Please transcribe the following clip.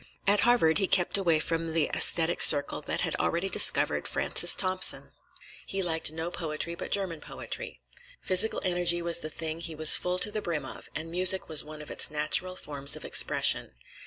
At Harvard he kept away from the aesthetic circle that had already discovered Francis Thompson. He liked no poetry but German poetry. Physical energy was the thing he was full to the brim of, and music was one of its natural forms of expression.